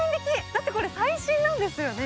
だってこれ最新なんですよね。